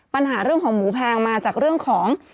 ปัญหาเรื่องของหมูแพงมาจากเรื่องของ